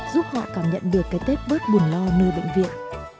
giúp họ cảm nhận được cái tết bớt buồn lo nơi bệnh viện